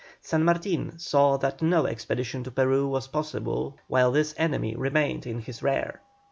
San Martin saw that no expedition to Peru was possible while this enemy remained in his rear.